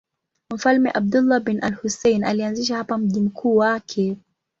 Mfalme Abdullah bin al-Husayn alianzisha hapa mji mkuu wake.